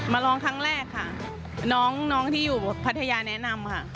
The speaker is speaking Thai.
มาร้องครั้งแรกค่ะน้องที่อยู่พัทยาแนะนำค่ะ